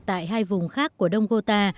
tại hai vùng khác của đông gota